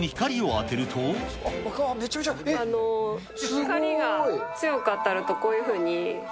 光が強く当たると、こういうふうに。